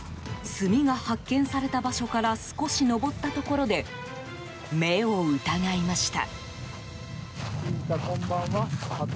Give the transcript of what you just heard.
炭が発見された場所から少し上ったところで目を疑いました。